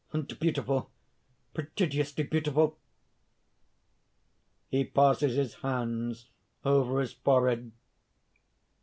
and beautiful ... prodigiously beautiful!" (_He passes his hands over his forehead.